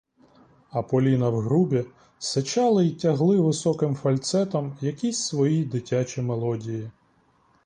А поліна в грубі сичали і тягли високим фальцетом якісь свої дитячі мелодії.